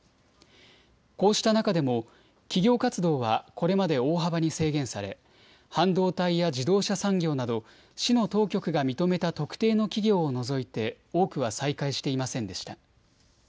こうした中でも企業活動はこれまで大幅に制限され半導体や自動車産業など市の当局が認めた特定の企業を除いて多くは再開していませんでした。